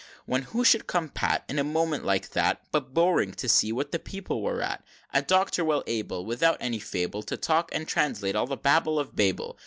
XXX. When who should come pat, In a moment like that, But Bowring, to see what the people were at A Doctor well able, Without any fable, To talk and translate all the babble of Babel.